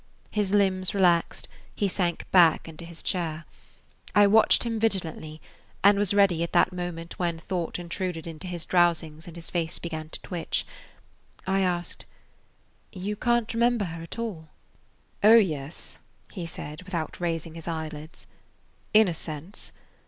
His limbs relaxed, he sank back into his chair. I watched him vigilantly, and was ready at that moment when thought intruded into his drowsings and his face began to twitch. I asked: "You can't remember her at all?" "Oh, yes," he said, without raising his eyelids, "in a sense.